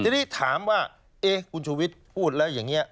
ทีนี้ถามว่าเอ๊ะคุณชูวิทย์พูดแล้วอย่างนี้